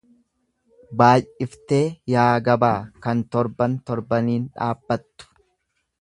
Baay'iftee yaa gabaa kan torban torbaniin dhaabbattu.